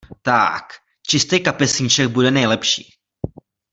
Ták, čistej kapesníček bude nejlepší.